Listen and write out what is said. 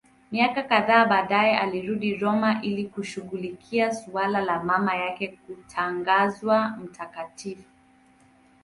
Miaka kadhaa baadaye alirudi Roma ili kushughulikia suala la mama yake kutangazwa mtakatifu.